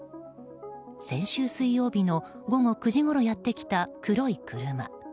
先週水曜日の午後９時ごろやってきた黒い車。